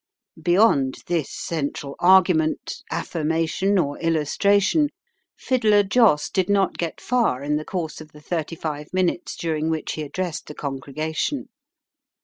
Beyond this central argument, affirmation, or illustration, Fiddler Joss did not get far in the course of the thirty five minutes during which he addressed the congregation.